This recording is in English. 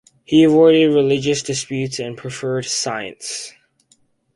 He avoided religious disputes and preferred science.